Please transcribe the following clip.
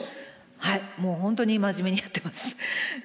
もう本当に真面目にやってます。